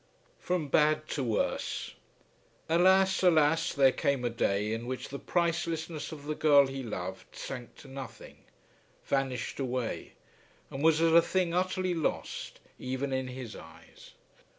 From bad to worse! Alas, alas; there came a day in which the pricelessness of the girl he loved sank to nothing, vanished away, and was as a thing utterly lost, even in his eyes.